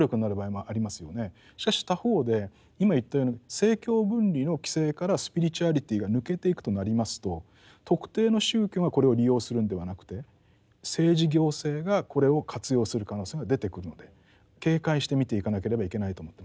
しかし他方で今言ったように政教分離の規制からスピリチュアリティが抜けていくとなりますと特定の宗教がこれを利用するんではなくて政治行政がこれを活用する可能性が出てくるので警戒して見ていかなければいけないと思ってます。